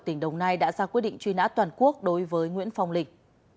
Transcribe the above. tỉnh đồng nai đã ra quyết định truy nã toàn quốc đối với nguyễn phong lịch